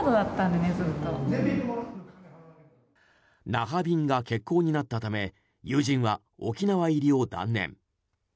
那覇便が欠航になったため友人は沖縄入りを断念。